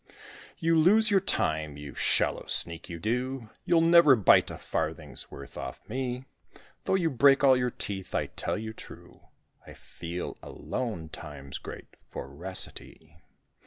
You lose your time, you shallow sneak, you do, You'll never bite a farthing's worth off me, Though you break all your teeth: I tell you true, I fear alone Time's great voracity."